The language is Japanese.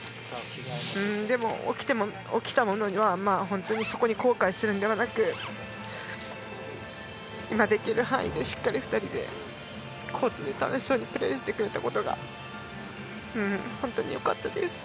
でも、起きたものには本当にそこに後悔するのではなく今できる範囲でしっかり２人でコートで楽しそうにプレーしてくれたことが本当に良かったです。